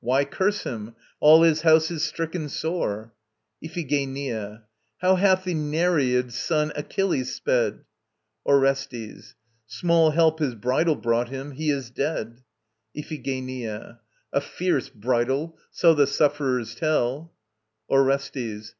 Why curse him? All his house is stricken sore. IPHIGENIA. How hath the Nereid's son, Achilles, sped? ORESTES. Small help his bridal brought him! He is dead. IPHIGENIA. A fierce bridal, so the sufferers tell! ORESTES.